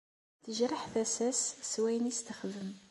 Tejreḥ tasa-s s wayen i s-texdem